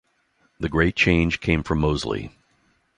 The great change came from Moseley.